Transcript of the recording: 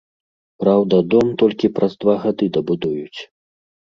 Праўда, дом толькі праз два гады дабудуюць.